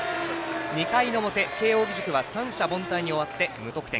２回の表、慶応義塾は三者凡退に終わって、無得点。